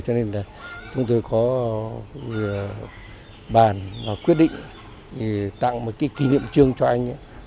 cho nên là chúng tôi có bàn và quyết định tặng một cái kỷ niệm trương cho anh